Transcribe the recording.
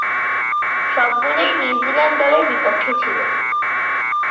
সবগুলোই নিউজিল্যান্ড দলের বিপক্ষে ছিল।